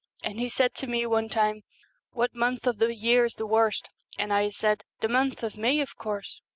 And he said to me one time, " What month of the year is the worst ?" and I said, " The month of May, of course."